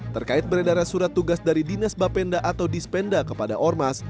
terkait beredaran surat tugas dari dinas bapenda atau dispenda kepada ormas